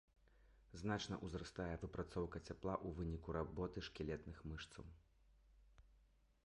Значна ўзрастае выпрацоўка цяпла ў выніку работы шкілетных мышцаў.